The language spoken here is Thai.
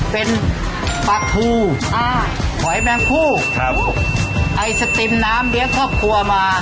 เป็นปักทูหอยแมงคู่ไอสติมน้ำเรียกครอบครัวมา